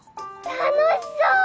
楽しそう！